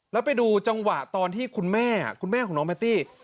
แล้วไปดูจังหวะตอนที่คุณแม่คุณแม่ของน้องแพตตี้